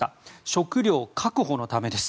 食料確保のためです。